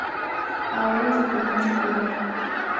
Ahora se comienza a jugar.